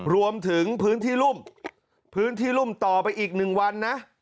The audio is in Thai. รวมถึงพื้นที่รุ่มพื้นที่รุ่มต่อไปอีก๑วันนะ